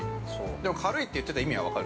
でも軽いって言ってた意味は分かる。